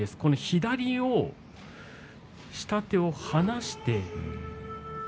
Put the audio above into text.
左を、下手を離して。